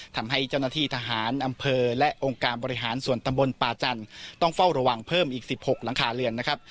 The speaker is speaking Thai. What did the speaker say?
ทำให้เจ้าหน้าที่ทหารอำเภอและองค์การบริหารส่วนตำบลป่าจันทร์ต้องเฝ้าระวังเพิ่มอีก๑๖หลังคาเรือนนะครับ